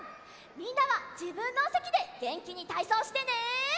みんなはじぶんのおせきでげんきにたいそうしてね！